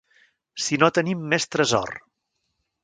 Si no tenim més tresor